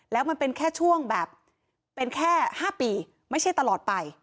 แล้วมันเป็นแค่ช่วงแบบเป็นแค่๕ปีไม่ใช่ตลอดไป